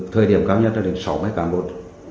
thời điểm cáo nhất đến sáu mấy cả một